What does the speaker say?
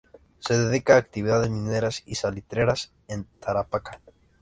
Se dedica a actividades mineras y salitreras en Tarapacá.